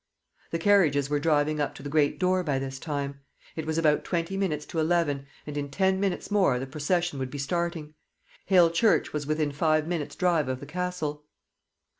The carriages were driving up to the great door by this time. It was about twenty minutes to eleven, and in ten minutes more the procession would be starting. Hale Church was within five minutes' drive of the Castle.